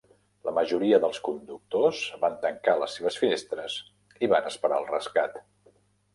La majoria dels conductors van tancar les seves finestres i van esperar el rescat.